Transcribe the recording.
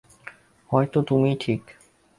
হয়তো তুমিই ঠিক।